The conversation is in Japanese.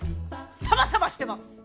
サバサバしてます！